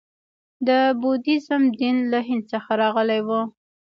د بودیزم دین له هند څخه راغلی و